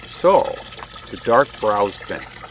"So." The dark brows bent.